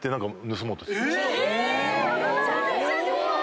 めちゃめちゃ怖い！